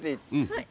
はい。